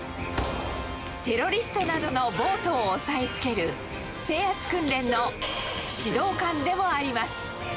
テロリストなどの暴徒を押さえつける、制圧訓練の指導官でもあります。